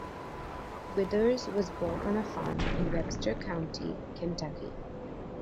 Withers was born on a farm in Webster County, Kentucky.